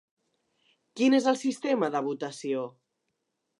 Quin és el sistema de votació?